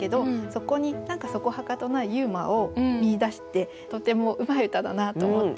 そこに何かそこはかとないユーモアを見いだしてとてもうまい歌だなと思って見ました。